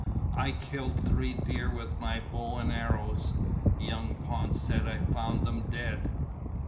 "I killed three deer with my bow and arrows! Young Ponce said I found them dead!"